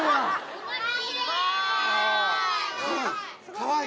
・かわいい？